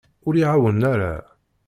Ur iɛawen ara.